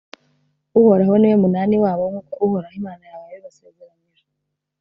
uhoraho ni we munani wabo, nk’uko uhoraho imana yawe yabibasezeranyije.